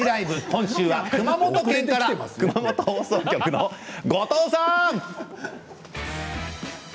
今週は熊本県から熊本放送局の後藤さん！